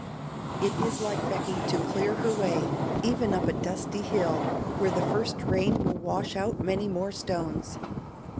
It is like Becky to clear her way, even up a dusty hill where the first rain will wash out many more stones.